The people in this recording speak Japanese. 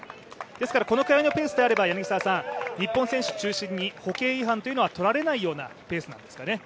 ですからこのくらいのペースであれば日本選手を中心に歩型違反というのは取られないようなペースなんですかね。